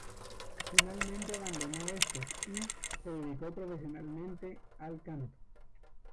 Finalmente, abandonó estos y se dedicó profesionalmente al canto.